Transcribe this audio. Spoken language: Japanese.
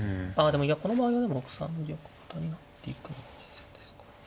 あでもいやこの場合はでも６三玉型になっていくんでしょうか。